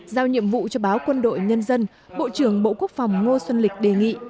giao nhiệm vụ cho báo quân đội nhân dân bộ trưởng bộ quốc phòng ngô xuân lịch đề nghị